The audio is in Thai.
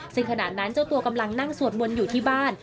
ซึ่งขณะนั้นเจ้าตัวกำลังนั่งสวดมนต์อยู่ที่บ้าน